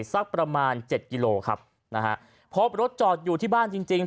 สักประมาณเจ็ดกิโลครับนะฮะพบรถจอดอยู่ที่บ้านจริงจริง